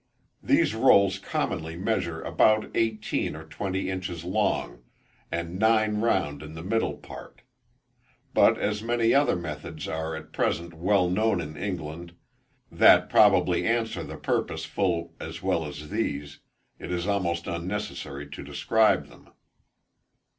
These rolls commonly measure about eighteen or twenty inches long, and nine round in the middle part. But as many other methods are at present well known in England, that probably answer the purpose full as well as these, it is almost unnecessary to describe them.